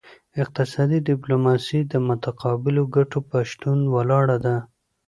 اقتصادي ډیپلوماسي د متقابلو ګټو په شتون ولاړه ده